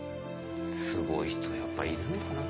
すごい人やっぱいるんだな。